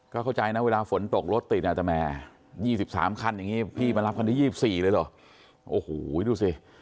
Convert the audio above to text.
ก็เข้าใจนะเวลาฝนตกรถติดอาจจะแหม๒๓คันอย่างนี้พี่มารับคันที่๒๔เลยเหรอโอ้โหดูสิ